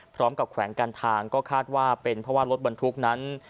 แขวงการทางก็คาดว่าเป็นเพราะว่ารถบรรทุกนั้น